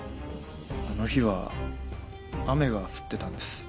あの日は雨が降ってたんです